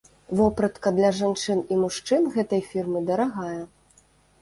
Вопратка для жанчын і мужчын гэтай фірмы дарагая.